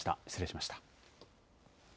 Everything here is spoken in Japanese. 失礼しました。